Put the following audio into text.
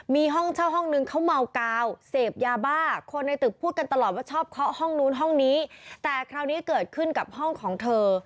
มีห้องเช่าห้องนึงเขาเมากาวเสพยาบ้าคนในตึกพูดกันตลอดว่าชอบเคาะห้องนู้นห้องนี้แต่คราวนี้เกิดขึ้นกับห้องของเธอ